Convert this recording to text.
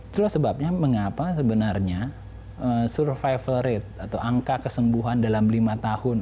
itulah sebabnya mengapa sebenarnya survival rate atau angka kesembuhan dalam lima tahun